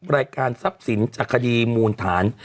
รายการทรัพย์สินจากคดีมูลฐาน